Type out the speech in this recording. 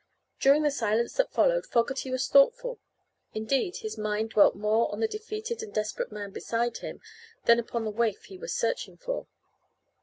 During the silence that followed Fogerty was thoughtful. Indeed, his mind dwelt more upon the defeated and desperate man beside him than upon the waif he was searching for.